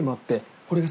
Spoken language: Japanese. これがさ